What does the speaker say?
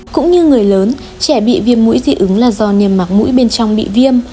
cũng như người lớn trẻ bị viêm mũi dị ứng là do niềm mặc mũi bên trong bị viêm